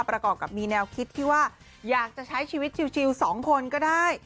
ประกอบกับมีแนวคิดที่ว่าอยากจะใช้ชีวิตชิวสองคนก็ได้